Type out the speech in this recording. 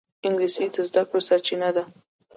انګلیسي د زده کړو سرچینه ده